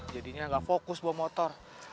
jadinya gak fokus bawa motor